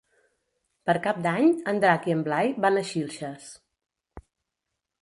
Per Cap d'Any en Drac i en Blai van a Xilxes.